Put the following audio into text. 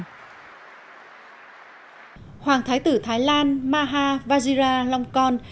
hoàng thái tử thái lan maha vajiralongkon